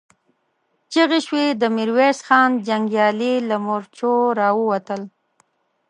چيغې شوې، د ميرويس خان جنګيالي له مورچو را ووتل.